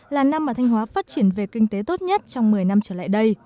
là năm mà thanh hóa phát triển về kinh tế tốt nhất trong một mươi năm trở lại đây